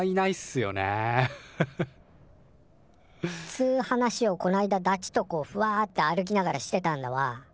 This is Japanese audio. つ話をこないだダチとこうフワって歩きながらしてたんだわ。